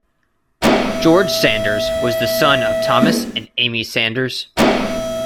George Sanders was the son of Thomas and Amy Sanders.